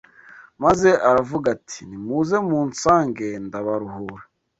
maze aravuga ati: “Nimuze munsange ndabaruhura